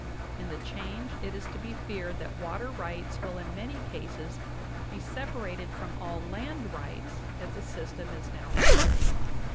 ... In the change it is to be feared that water rights will in many cases be separated from all land rights as the system is now forming.